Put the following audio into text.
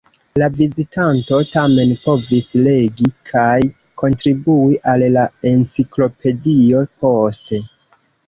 La vizitanto tamen povis legi kaj kontribui al la enciklopedio poste.